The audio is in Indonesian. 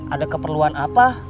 ada keperluan apa